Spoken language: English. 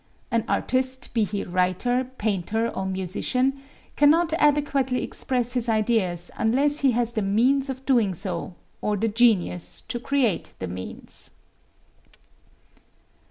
An artist, be he writer, painter or musician, cannot adequately express his ideas unless he has the means of doing so or the genius to create the means.